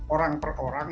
orang per orang